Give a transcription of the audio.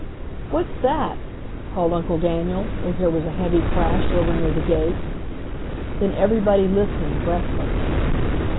"What's that?" called Uncle Daniel, as there was a heavy crash over near the gates. Then everybody listened breathless.